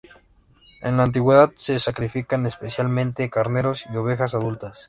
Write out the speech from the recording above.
En la antigüedad se sacrificaban especialmente carneros y ovejas adultas.